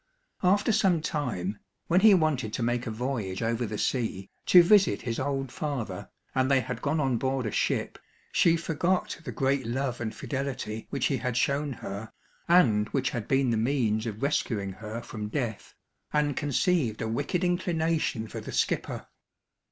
After some time, when he wanted to make a voyage over the sea, to visit his old father, and they had gone on board a ship, she forgot the great love and fidelity which he had shown her, and which had been the means of rescuing her from death, and conceived a wicked inclination for the skipper.